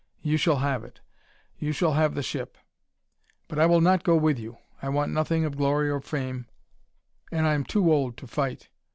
You shall have it. You shall have the ship! But I will not go with you. I want nothing of glory or fame, and I am too old to fight.